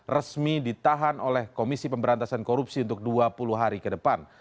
resmi ditahan oleh komisi pemberantasan korupsi untuk dua puluh hari ke depan